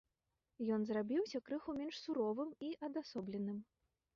Ён зрабіўся крыху менш суровым і адасобленым.